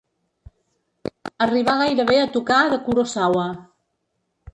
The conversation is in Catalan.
Arribar gairebé a tocar de Kurosawa.